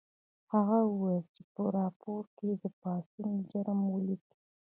هغه وویل چې په راپور کې د پاڅون جرم ولیکئ